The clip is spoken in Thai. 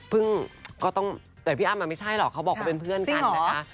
ก็ต้องแต่พี่อ้ำมันไม่ใช่หรอกเขาบอกว่าเป็นเพื่อนกันนะคะ